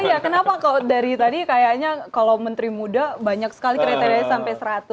iya kenapa kok dari tadi kayaknya kalau menteri muda banyak sekali kriterianya sampai seratus